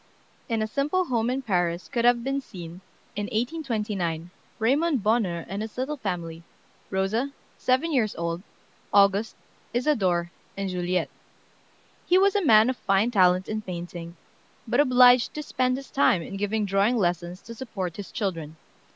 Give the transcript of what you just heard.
] In a simple home in Paris could have been seen, in 1829, Raymond Bonheur and his little family, Rosa, seven years old, August, Isadore, and Juliette. He was a man of fine talent in painting, but obliged to spend his time in giving drawing lessons to support his children.